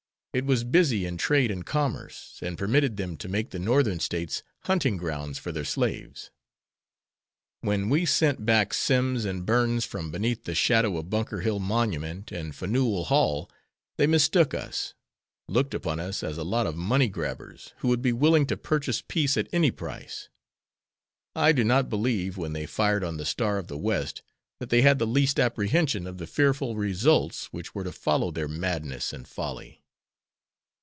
It was busy in trade and commerce, and permitted them to make the Northern States hunting grounds for their slaves. When we sent back Simms and Burns from beneath the shadow of Bunker Hill Monument and Faneuil Hall, they mistook us; looked upon us as a lot of money grabbers, who would be willing to purchase peace at any price. I do not believe when they fired on the 'Star of the West' that they had the least apprehension of the fearful results which were to follow their madness and folly."